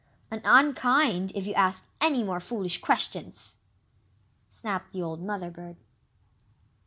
"An UN KIND, if you ask any more foolish questions!" snapped the old Mother bird.